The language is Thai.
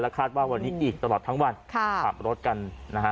คาดว่าวันนี้อีกตลอดทั้งวันขับรถกันนะฮะ